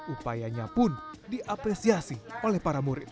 upayanya pun diapresiasi oleh para murid